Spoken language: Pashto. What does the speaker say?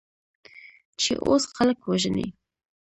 چې اوس خلک وژنې؟